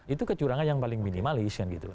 itu kecurangan yang paling minimalis kan gitu